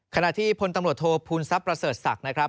ขณะที่พลตำรวจโทษภูมิทรัพย์ประเสริฐศักดิ์นะครับ